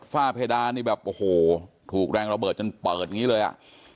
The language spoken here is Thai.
ฝ้าเพดานนี่แบบโอ้โหถูกแรงระเบิดจนเปิดอย่างนี้เลยอ่ะ